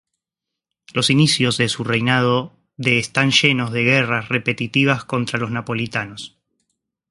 Los inicios de su reinado de están llenos de guerras repetitivas contra los napolitanos.